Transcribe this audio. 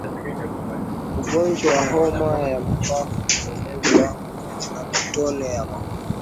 Ugonjwa wa homa ya mapafu huenezwa na matone ya mkojo